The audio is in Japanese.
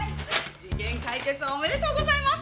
事件解決おめでとうございます！